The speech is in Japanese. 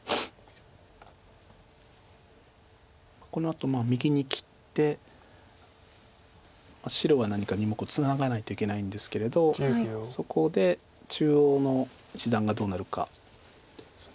このあと右に切って白は何か２目をツナがないといけないんですけれどそこで中央の一団がどうなるかです。